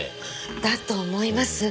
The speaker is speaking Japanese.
だと思います。